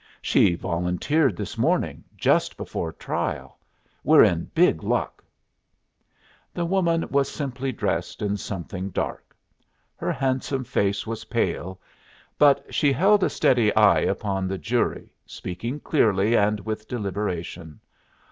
"She volunteered this morning, just before trial. We're in big luck." The woman was simply dressed in something dark. Her handsome face was pale, but she held a steady eye upon the jury, speaking clearly and with deliberation.